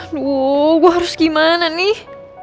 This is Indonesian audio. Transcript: wow gue harus gimana nih